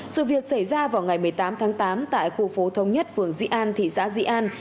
sự việc xảy ra vào ngày một mươi tám tháng tám tại khu phố thông nhất phường dị an thị xã dĩ an